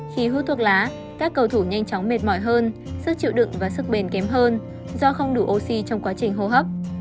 khi hút thuốc lá các cầu thủ nhanh chóng mệt mỏi hơn sức chịu đựng và sức bền kém hơn do không đủ oxy trong quá trình hô hấp